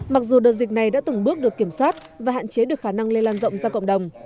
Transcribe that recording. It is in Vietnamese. mặc dù đợt dịch này đã từng bước được kiểm soát và hạn chế được khả năng lây lan rộng ra cộng đồng